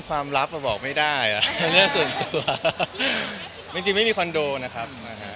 จริงไม่มีคอนโดนะครับ